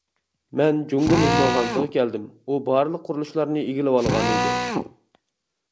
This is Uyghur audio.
مەن جۇڭگو مېھمانخانىسىغا كەلدىم، ئۇ بارلىق قۇرۇلۇشلارنى ئىگىلىۋالغان ئىدى.